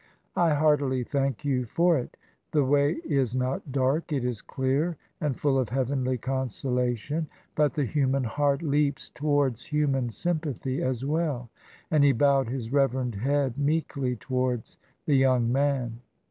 I heartily thank you for it. The way is not dark ; it is clear and full of heavenly consolation, but the human heart leaps towards human sympathy as well." And he bowed his reverend head meekly towards the young man.